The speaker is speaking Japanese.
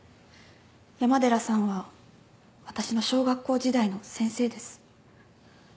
山寺さんは私の小学校時代の先生です。